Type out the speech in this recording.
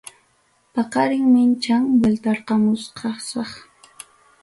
Paqarin mincham vueltarqamuchkasaq.